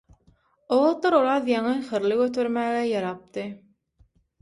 O wagtlar Oraz ýaňy hyrly götermäge ýarapdy.